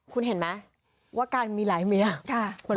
คุณเห็นไหมว่าการมีหลายเมียมันรุนวาย